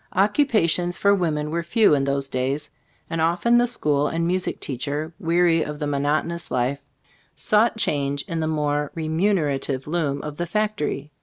Occupations for women were few in those days, and often the school and music teach er, weary of the monotonjous life, sought change in the more remunera tive loom of the factory.